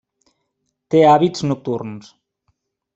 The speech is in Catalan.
Té hàbits nocturns.